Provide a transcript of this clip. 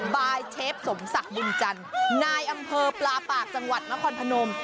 บายเชฟสมศักดิ์บุญจันทร์นายอำเภอปลาปากจังหวัดนครพนม